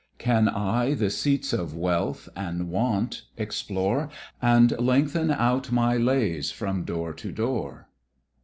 Can I the seats of wealth and want explore, And lengthen out my lays from door to door?